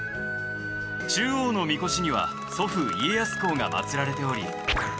中央のみこしには祖父家康公が祀られており。